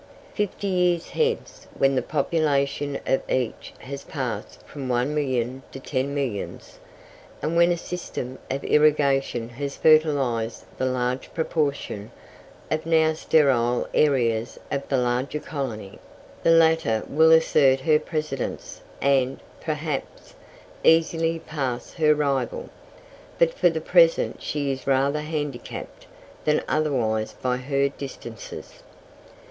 Fifty years hence, when the population of each has passed from one million to ten millions, and when a system of irrigation has fertilized the large proportion of now sterile areas of the larger colony, the latter will assert her precedence and, perhaps, easily pass her rival. But for the present she is rather handicapped than otherwise by her distances.